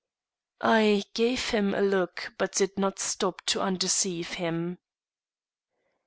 I gave him a look, but did not stop to undeceive him. VI.